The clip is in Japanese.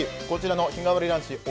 こちらの日替わりランチ